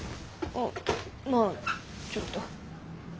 あまあちょっと。